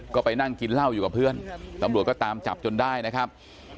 ก็ไปนั่งกินเหล้าอยู่กับเพื่อนตำรวจก็ตามจับจนได้นะครับ